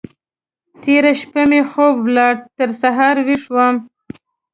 تېره شپه مې خوب ولاړ؛ تر سهار ويښ وم.